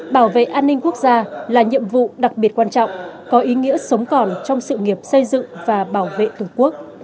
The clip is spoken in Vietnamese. bảo vệ an ninh quốc gia là nhiệm vụ đặc biệt quan trọng có ý nghĩa sống còn trong sự nghiệp xây dựng và bảo vệ tổ quốc